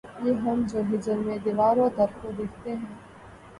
یہ ہم جو ہجر میں‘ دیوار و در کو دیکھتے ہیں